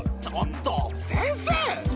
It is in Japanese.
ちょっと先生！